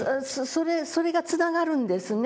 それがつながるんですね。